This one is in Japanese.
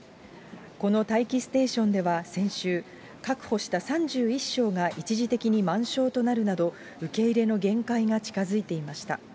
この待機ステーションでは先週、確保した３１床が一時的に満床となるなど、受け入れの限界が近づいていました。